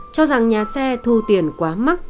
cho rằng nhà xe thu tiền quá mắc